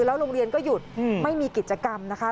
แล้วโรงเรียนก็หยุดไม่มีกิจกรรมนะคะ